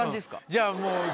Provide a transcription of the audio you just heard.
じゃあもう。